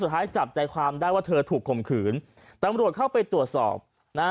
สุดท้ายจับใจความได้ว่าเธอถูกข่มขืนตำรวจเข้าไปตรวจสอบนะฮะ